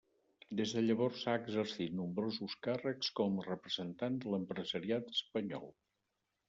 Des de llavors ha exercit nombrosos càrrecs com a representant de l'empresariat espanyol.